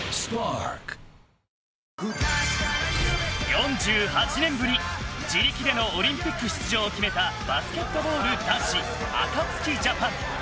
４８年ぶり、自力でのオリンピック出場を決めたバスケットボール男子アカツキジャパン。